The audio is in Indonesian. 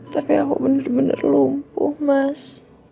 tapi aku bener bener lumpuh mas